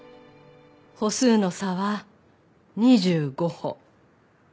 歩数の差は２５歩。